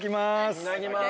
いただきます。